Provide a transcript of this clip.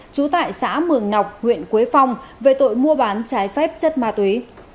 trú tại xã mường nọc huyện quế phong về tội mua bán trái phép chất ma túy